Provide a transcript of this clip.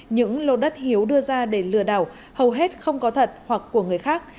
những lô đất hiếu đưa ra để lừa đảo hầu hết không có thật hoặc của người khác